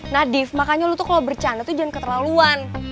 nadif makanya lu tuh kalo bercanda tuh jangan keterlaluan